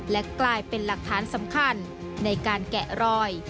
และกลายเป็นหลักฐานสำคัญในการแกะรอย